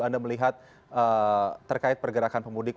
anda melihat terkait pergerakan pemudik